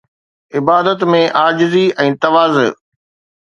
عبادت ۾ عاجزي ۽ تواضع